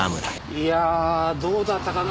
いやどうだったかな？